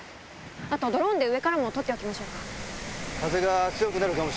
あとドローンで上からも撮っておきましょうか？